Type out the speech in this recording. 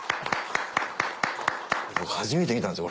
初めて見たんですよ。